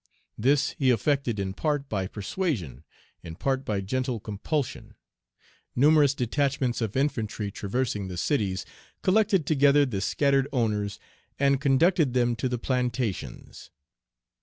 This he effected in part by persuasion, in part by gentle compulsion; numerous detachments of infantry, traversing the cities, collected together the scattered owners, and conducted them to the plantations.